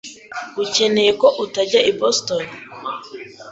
Ukeneye ko tujyana i Boston?